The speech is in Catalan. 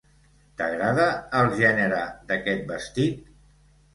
T'agrada el gènere d'aquest vestit?